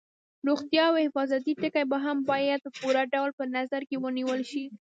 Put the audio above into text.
روغتیا او حفاظتي ټکي هم باید په پوره ډول په نظر کې ونیول شي.